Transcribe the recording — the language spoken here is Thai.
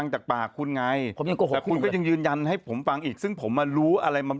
ทำไมคุณถึงไปให้พญาคุศครัว